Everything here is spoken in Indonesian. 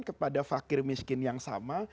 kepada fakir miskin yang sama